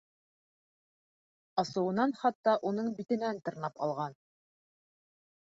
Асыуынан хатта уның битенән тырнап алған.